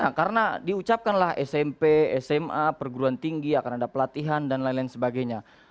nah karena diucapkanlah smp sma perguruan tinggi akan ada pelatihan dan lain lain sebagainya